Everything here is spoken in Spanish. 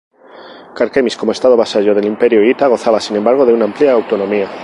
Karkemish, como estado vasallo del imperio hitita gozaba sin embargo de una amplia autonomía.